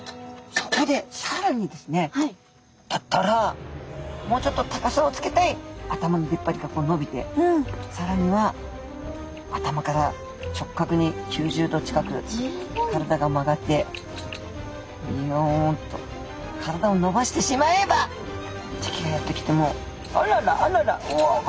そこでさらにですねだったらもうちょっと高さをつけたい頭のでっぱりがこうのびてさらには頭から直角に９０度近く体が曲がってびよんと体をのばしてしまえば敵がやって来ても「あららあららうわ」。